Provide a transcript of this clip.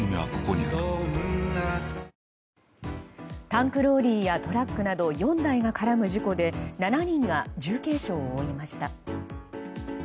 タンクローリーやトラックなど４台が絡む事故で７人が重軽傷を負いました。